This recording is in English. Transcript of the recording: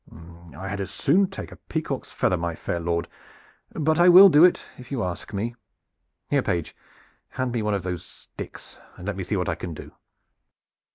"I had as soon take a peacock's feather, my fair lord; but I will do it, if you ask me. Here, page, hand me one of those sticks, and let me see what I can do."